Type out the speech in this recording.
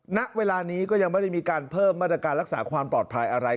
ณเวลานี้ก็ยังไม่ได้มีการเพิ่มมาตรการรักษาความปลอดภัยอะไร